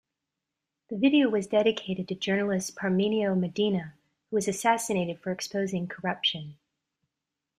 The video was dedicated to journalist Parmenio Medina, who was assassinated for exposing corruption.